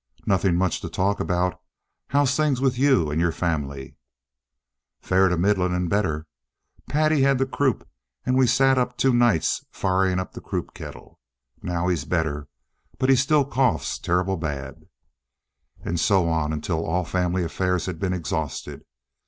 "Nothing much to talk about. How's things with you and your family?" "Fair to middlin' and better. Patty had the croup and we sat up two nights firing up the croup kettle. Now he's better, but he still coughs terrible bad." And so on until all family affairs had been exhausted.